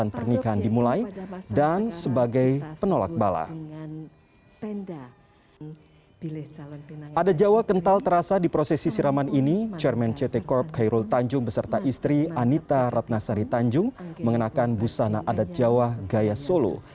pembangunan kebusana adat jawa gaya solo